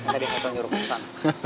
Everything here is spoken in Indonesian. tadi aku nyuruh nusant